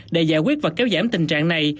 để giải quyết và kéo giảm tình trạng này